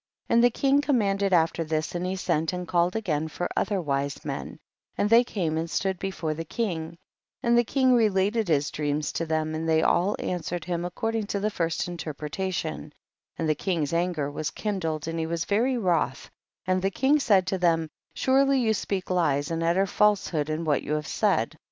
12. And the king commanded af ter this, and he sent and called again for other wise men, and they came and stood before the king, and the king related his dreams to them, and they all answered him according to the first interpretation, and the king's anger was kindled and he was very wroth, and the king said imlo them, surely you speak lies and utter false hood in what you have said.